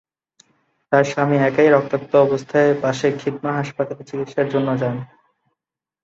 তাঁর স্বামী একাই রক্তাক্ত অবস্থায় পাশের খিদমাহ হাসপাতালে চিকিৎসার জন্য যান।